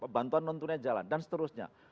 bantuan non tunai jalan dan seterusnya